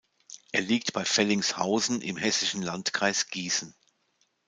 Er liegt bei Fellingshausen im hessischen Landkreis Gießen.